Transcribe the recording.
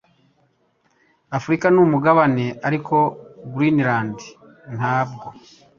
Afurika ni umugabane, ariko Greenland ntabwo.